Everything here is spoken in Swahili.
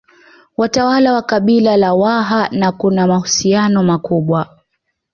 Watawala wa kabila la Waha na kuna mahusiano makubwa